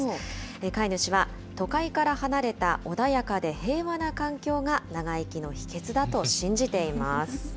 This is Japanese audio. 飼い主は、都会から離れた穏やかで平和な環境が長生きの秘けつだと信じています。